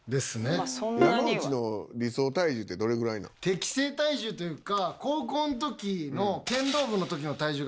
適正体重というか。